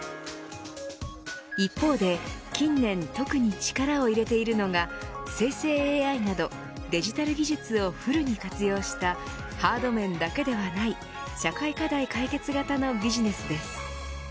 一方で、近年特に力を入れているのが生成ＡＩなどデジタル技術をフルに活用したハード面だけではない社会課題解決型のビジネスです。